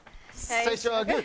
最初はグー！